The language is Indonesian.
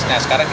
nah sekarang ini